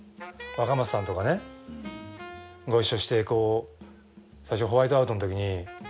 若松さんとかねご一緒して最初『ホワイトアウト』のときに。